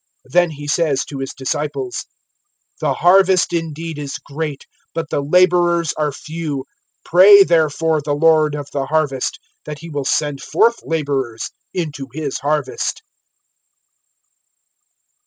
(37)Then he says to his disciples: The harvest indeed is great, but the laborers are few. (38)Pray therefore the Lord of the harvest, that he will send forth laborers into his harvest.